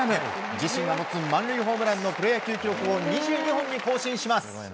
自身が持つ満塁ホームランのプロ野球記録を２２本に更新します。